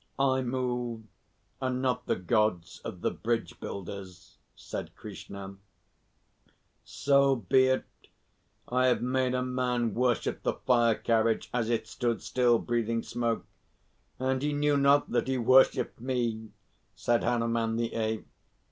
I move, and not the Gods of the bridge builders," said Krishna. "So be it. I have made a man worship the fire carriage as it stood still breathing smoke, and he knew not that he worshipped me," said Hanuman the Ape.